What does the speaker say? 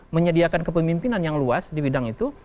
menyediakan kepemimpinan yang luas di bidang itu